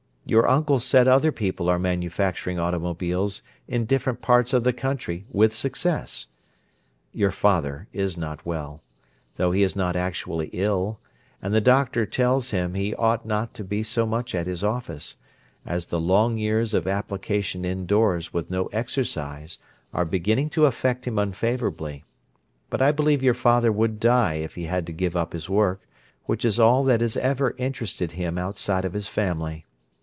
Your uncle said other people are manufacturing automobiles in different parts of the country with success. Your father is not very well, though he is not actually ill, and the doctor tells him he ought not to be so much at his office, as the long years of application indoors with no exercise are beginning to affect him unfavourably, but I believe your father would die if he had to give up his work, which is all that has ever interested him outside of his family.